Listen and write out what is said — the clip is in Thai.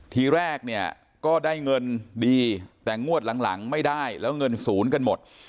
ทีแรกเนี่ยก็ได้เงินดีแต่งวดหลังไม่ได้แล้วเงินศูนย์กันหมด